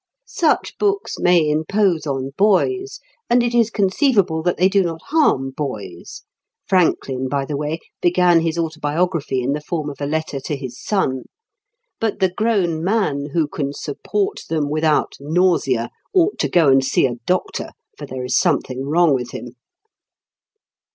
Such books may impose on boys, and it is conceivable that they do not harm boys (Franklin, by the way, began his Autobiography in the form of a letter to his son), but the grown man who can support them without nausea ought to go and see a doctor, for there is something wrong with him.